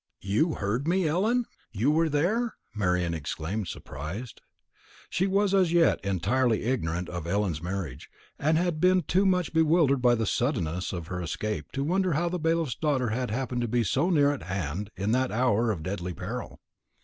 "You heard me, Ellen? You were there?" Marian exclaimed, surprised. She was, as yet, entirely ignorant of Ellen's marriage, and had been too much bewildered by the suddenness of her escape to wonder how the bailiff's daughter had happened to be so near at hand in that hour of deadly peril.